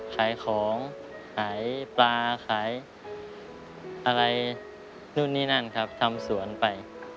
ขายของขายปลาขายอะไรนู่นนี่นั่นครับทำสวนไป